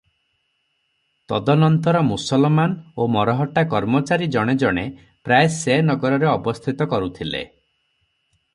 ତଦନନ୍ତର ମୁସଲମାନ ଓ ମରହଟ୍ଟା କର୍ମଚାରୀ ଜଣେ ଜଣେ ପ୍ରାୟ ସେ ନଗରରେ ଅବସ୍ଥିତ କରୁଥିଲେ ।